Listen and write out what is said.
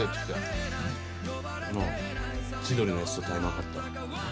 ああ千鳥のやつとタイマン張った。